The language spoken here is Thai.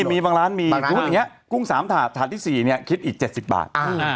มีบางร้านมีกุ้ง๓ถาดถาดที่๔เนี่ยคิดอีก๗๐บาท